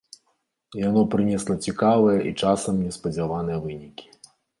Яно прынесла цікавыя і часам неспадзяваныя вынікі.